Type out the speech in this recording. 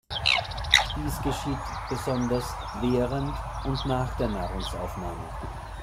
Dies geschieht besonders während und nach der Nahrungsaufnahme.